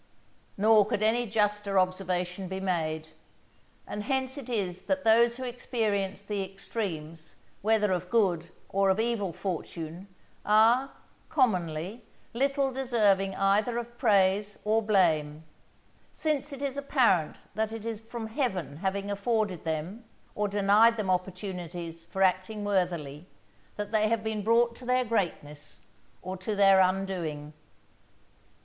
_" Nor could any juster observation be made. And hence it is that those who experience the extremes whether of good or of evil fortune, are, commonly, little deserving either of praise or blame; since it is apparent that it is from Heaven having afforded them, or denied them opportunities for acting worthily, that they have been brought to their greatness or to their undoing.